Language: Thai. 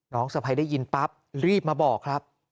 สะพายได้ยินปั๊บรีบมาบอกครับ